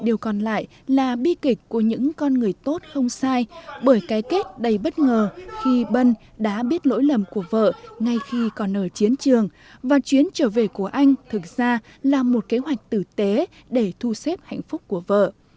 điều còn lại là bi kịch của những con người tốt không sai bởi cái kết đầy bất ngờ khi bân đã biết lỗi lầm của vợ ngay khi còn ở chiến trường và chuyến trở về của anh thực ra là một kế hoạch tử tế để thu xếp hạnh phúc của vợ